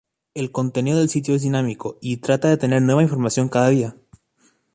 El contenido del sitio es dinámico y trata de tener nueva información cada día.